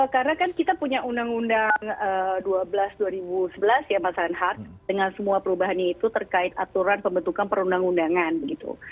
karena kan kita punya undang undang dua belas dua ribu sebelas ya mas anhar dengan semua perubahan itu terkait aturan pembentukan perundang undangan gitu